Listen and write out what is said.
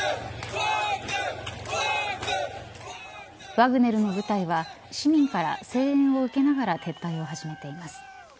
ワグネルの部隊は市民から声援を受けながら撤退を始めています。